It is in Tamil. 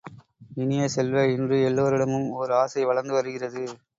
இனிய செல்வ, இன்று எல்லோரிடமும் ஓர் ஆசை வளர்ந்து வருகிறது.